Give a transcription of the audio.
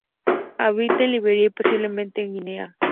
Habita en Liberia y posiblemente en Guinea.